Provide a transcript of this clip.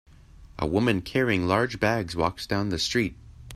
A woman carrying large bags walks down the street.